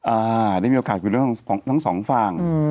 อ่าได้มีโอกาสคุยทั้งสองฝั่ง